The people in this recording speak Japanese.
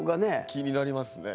気になりますね。